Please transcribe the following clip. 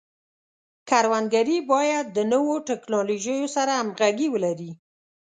کروندګري باید د نوو ټکنالوژیو سره همغږي ولري.